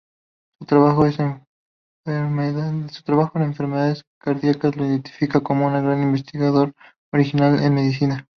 Su trabajo en enfermedades cardíacas lo identifica como un gran investigador original en medicina.